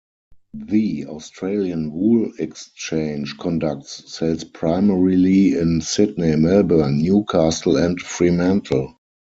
The Australian Wool Exchange conducts sales primarily in Sydney, Melbourne, Newcastle, and Fremantle.